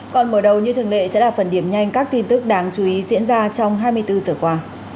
còn mở đầu như thường lệ sẽ là phần điểm nhanh các tin tức đáng chú ý diễn ra trong hai mươi bốn giờ qua